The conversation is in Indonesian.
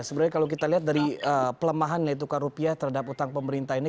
sebenarnya kalau kita lihat dari pelemahan nilai tukar rupiah terhadap utang pemerintah ini